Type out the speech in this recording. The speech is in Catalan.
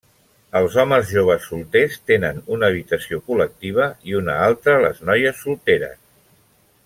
Els homes joves solters tenen una habitació col·lectiva i una altra les noies solteres.